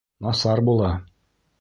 Насар була!